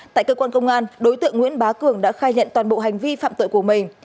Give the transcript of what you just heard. tại cơ quan công an đối tượng nguyễn bá cường đã khai nhận toàn bộ hành vi phạm tội của mình